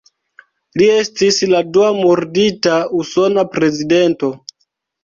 Li estis la dua murdita usona prezidento.